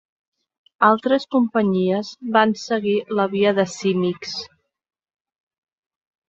Altres companyies van seguir la via de Symyx.